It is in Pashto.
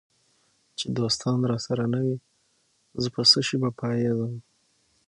چي دوستان راسره نه وي زه په څشي به پایېږم